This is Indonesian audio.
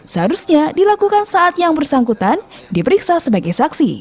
seharusnya dilakukan saat yang bersangkutan diperiksa sebagai saksi